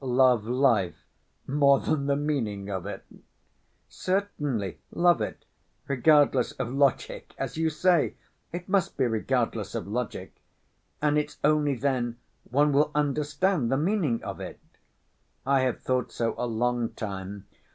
"Love life more than the meaning of it?" "Certainly, love it, regardless of logic as you say, it must be regardless of logic, and it's only then one will understand the meaning of it. I have thought so a long time.